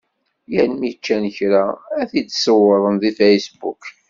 Yal mi ččan kra, ad t-id-ṣewwren deg Facebook.